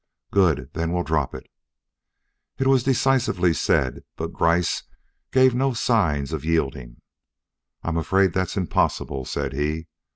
"Good! Then we'll drop it." It was decisively said, but Gryce gave no signs of yielding. "I'm afraid that's impossible," said he.